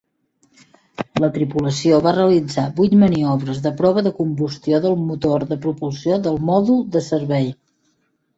La tripulació va realitzar vuit maniobres de prova de combustió del motor de propulsió del Mòdul de Servei.